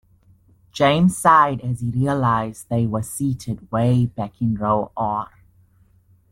James sighed as he realized they were seated way back in row R.